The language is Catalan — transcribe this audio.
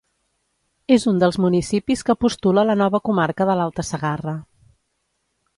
És un dels municipis que postula la nova comarca de l'Alta Segarra.